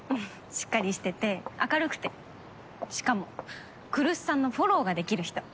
しっかりしてて明るくてしかも来栖さんのフォローができる人。